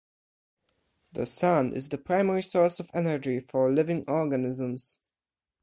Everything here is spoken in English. The sun is the primary source of energy for living organisms.